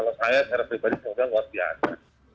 kalau saya saya pribadi seharusnya keluar biasa